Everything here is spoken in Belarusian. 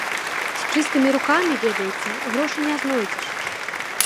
З чыстымі рукамі, ведаеце, грошы не знойдзеш.